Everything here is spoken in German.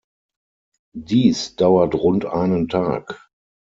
Dies dauert rund einen Tag.